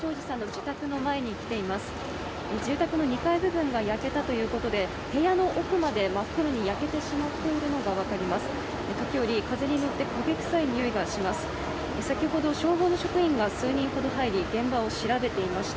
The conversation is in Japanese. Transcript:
住宅の２階部分が焼けたということで部屋の奥の部分まで真っ黒に焼けてしまっているのが分かります。